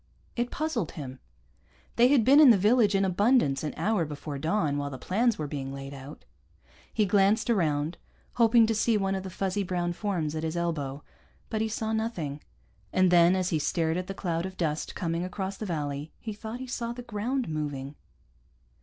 It puzzled him. They had been in the village in abundance an hour before dawn, while the plans were being laid out. He glanced around, hoping to see one of the fuzzy brown forms at his elbow, but he saw nothing. And then, as he stared at the cloud of dust coming across the valley, he thought he saw the ground moving.